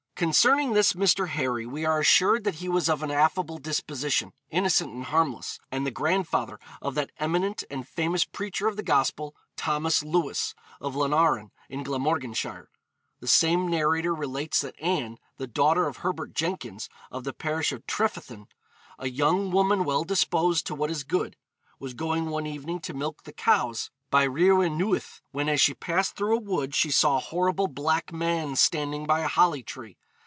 Concerning this Mr. Harry we are assured that he was of an affable disposition, innocent and harmless, and the grandfather of that eminent and famous preacher of the Gospel, Thomas Lewis, of Llanharan, in Glamorganshire. The same narrator relates that Anne, the daughter of Herbert Jenkins, of the parish of Trefethin, 'a young woman well disposed to what is good,' was going one evening to milk the cows by Rhiw newith, when as she passed through a wood she saw a horrible black man standing by a holly tree.